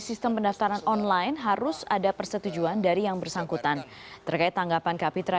sistem pendaftaran online harus ada persetujuan dari yang bersangkutan terkait tanggapan kapitra